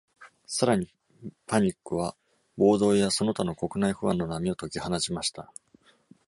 さらに、パニックは暴動やその他の国内不安の波を解き放ちました。